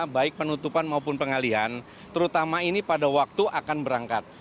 baik penutupan maupun pengalihan terutama ini pada waktu akan berangkat